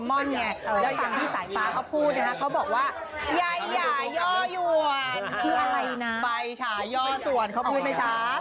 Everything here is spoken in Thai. ไม่ใช่